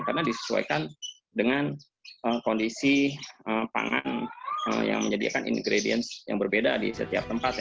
karena disesuaikan dengan kondisi pangan yang menyediakan ingredients yang berbeda di setiap tempat ya